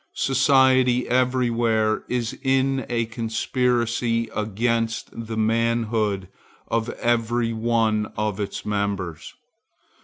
Society everywhere is in conspiracy against the manhood of every one of its members.